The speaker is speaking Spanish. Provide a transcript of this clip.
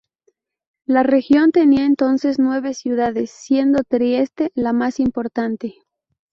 La región tenía entonces nueve ciudades, siendo Trieste la más importante.